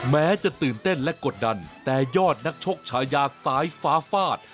แม้จะตื่นเต้นและกดดันแต่ยอดนักชกชายาสายฟ้าฟาด